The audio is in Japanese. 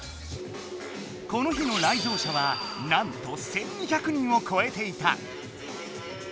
この日の来場者はなんと１，２００人をこえていた。